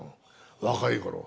若い頃。